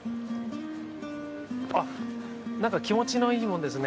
あっ何か気持ちのいいもんですね。